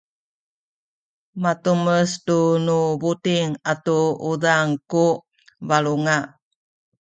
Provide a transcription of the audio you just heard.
matumes tu nu buting atu uzang ku balunga